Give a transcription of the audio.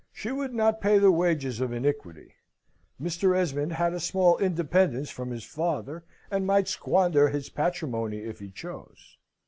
She would not pay the wages of iniquity. Mr. Esmond had a small independence from his father, and might squander his patrimony if he chose.